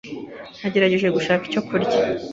Nagerageje gushaka icyo kurya.